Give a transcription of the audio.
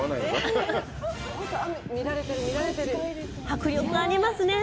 迫力ありますね。